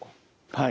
はい。